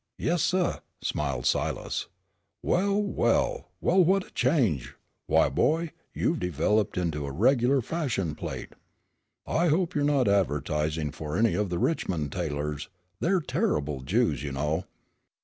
"Yes, suh," smiled Silas. "Well, well, well, what a change. Why, boy, you've developed into a regular fashion plate. I hope you're not advertising for any of the Richmond tailors. They're terrible Jews, you know."